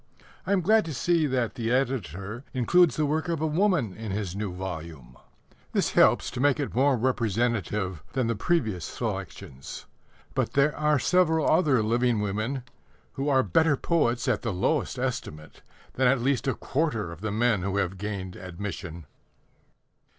I am glad to see that the editor includes the work of a woman in his new volume. This helps to make it more representative than the previous selections. But there are several other living women who are better poets, at the lowest estimate, than at least a quarter of the men who have gained admission.